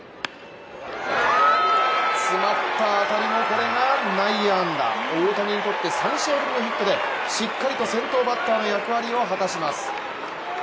詰まった当たりも、これが内野安打大谷にとって３試合ぶりのヒットでしっかりと先頭バッターの役割を果たします。